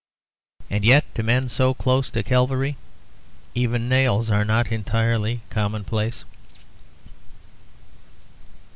And yet, to men so close to Calvary, even nails are not entirely commonplace.